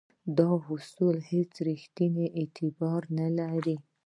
دا اصول هیڅ ریښتینی اعتبار نه لري.